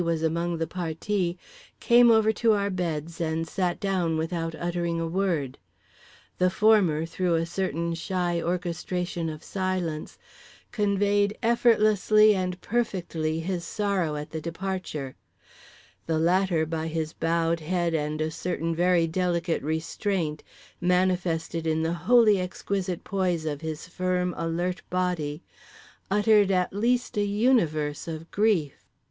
was among the partis, came over to our beds and sat down without uttering a word. The former, through a certain shy orchestration of silence, conveyed effortlessly and perfectly his sorrow at the departure; the latter, by his bowed head and a certain very delicate restraint manifested in the wholly exquisite poise of his firm alert body, uttered at least a universe of grief.